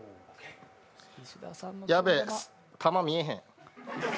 やべぇ、玉見えへん。